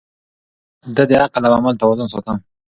ده د عقل او عمل توازن ساته.